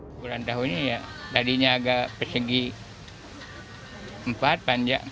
ukuran tahunya ya tadinya agak persegi empat panjang